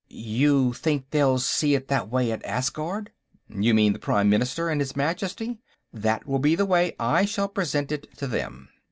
"You think they'll see it that way at Asgard?" "You mean the Prime Minister and His Majesty? That will be the way I shall present it to them.